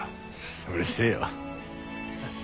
うるせえよ。